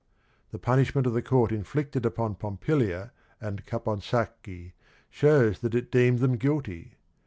The punishment of the court inflicted upon Pompilia and Caponsacchi showed that it deemed them guilty.